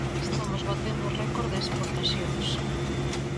Estamos batendo récord de exportacións.